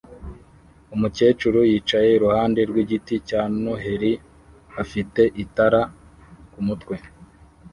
Umukecuru yicaye iruhande rw'igiti cya Noheri afite itara ku mutwe